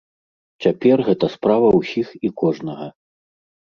Цяпер гэта справа ўсіх і кожнага!